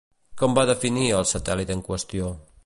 Com va definir el satèl·lit en qüestió?